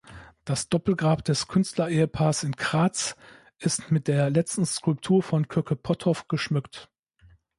Das Doppelgrab des Künstler-Ehepaars in Kraatz ist mit der letzten Skulptur von Köcke-Potthoff geschmückt.